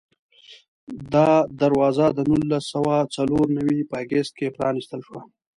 دا دروازه د نولس سوه څلور نوي په اګست کې پرانستل شوه.